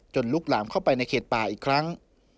ลุกหลามเข้าไปในเขตป่าอีกครั้ง